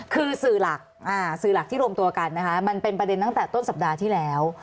คือสื่อหลักสื่อหลักที่รวมตัวกันนะคะมันเป็นประเด็นตั้งแต่ต้นสัปดาห์ที่แล้ว